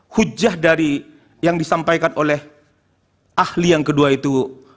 hujah dari yang disampaikan oleh ahli yang kedua itu